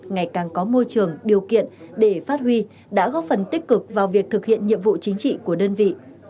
ngày càng có môi trường điều kiện để phát huy đã góp phần tích cực vào việc thực hiện nhiệm vụ chính trị của đơn vị